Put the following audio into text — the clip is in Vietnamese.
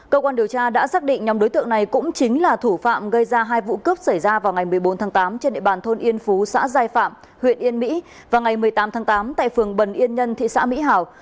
cơ quan điều tra đã xác định nhóm đối tượng này cũng chính là thủ phạm gây ra hai vụ cướp xảy ra vào ngày một mươi bốn tháng tám trên địa bàn thôn yên phú xã giai phạm huyện yên mỹ và ngày một mươi tám tháng tám tại phường bần yên nhân thị xã mỹ hảo